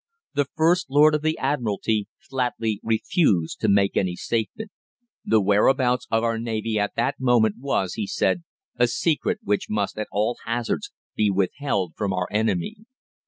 The First Lord of the Admiralty flatly refused to make any statement. The whereabouts of our Navy at that moment was, he said, a secret, which must, at all hazards, be withheld from our enemy.